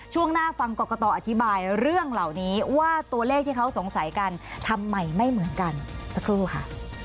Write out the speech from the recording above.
ช่วงหน้าฟังกรกตอธิบายเรื่องเหล่านี้ว่าตัวเลขที่เขาสงสัยกันทำไมไม่เหมือนกันสักครู่ค่ะ